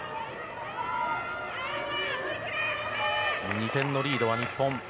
２点のリードは日本。